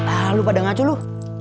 ah lu pada ngacu lu